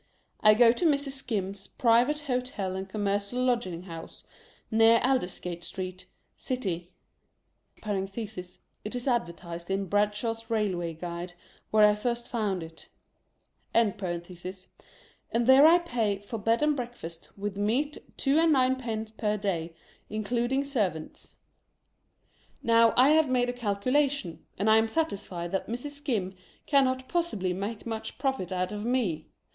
I go to Mrs. Skim's Private Hotel and Commercial Lodging House, near Alders gate Street, City (it is advertised iu "Bradshaw's Eailway Guide, " where I first found it), and there I pay, " for bed and breakfast, with meat, two and ninepence per day, in cluding servants." Now, I have made a calculation, and I am satisfied that Mrs. Skim cannot possibly make much profit out of me.